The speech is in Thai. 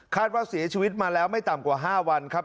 ว่าเสียชีวิตมาแล้วไม่ต่ำกว่า๕วันครับ